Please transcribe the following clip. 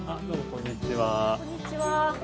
こんにちは。